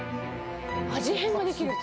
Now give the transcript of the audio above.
味変ができるやつ。